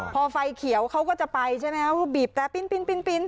พอไฟเขียวเขาก็จะไปใช่ไหมครับว่าบีบแต่ปิ๊น